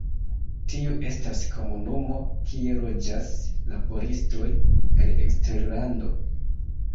Tiu estas komunumo kie loĝas laboristoj el eksterlando.